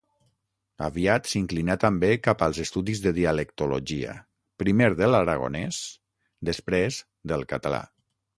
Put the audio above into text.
Aviat s'inclinà també cap als estudis de dialectologia: primer, de l'aragonès, després, del català.